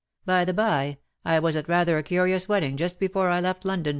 By the by I was at rather a curious wedding just before I left London.